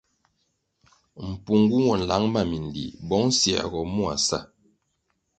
Mpungu nwo nlang ma minlih bong siergoh mua sa.